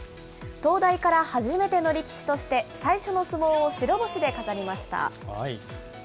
東大から初めての力士として最初の相撲を白星で飾りました。